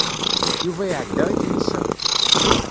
Yuba iɛedda i tlisa.